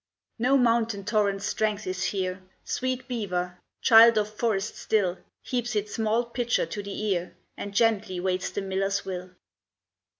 No mountain torrent's strength is here; Sweet Beaver, child of forest still, Heaps its small pitcher to the ear, And gently waits the miller's will.